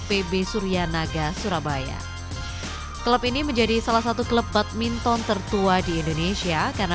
pb suryanaga surabaya klub ini menjadi salah satu klub badminton tertua di indonesia karena